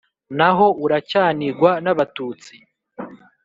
Naho uracyanigwa n'Abatutsi?"